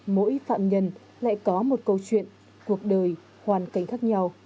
mỗi phạm nhân lại có một câu chuyện cuộc đời hoàn cảnh khác nhau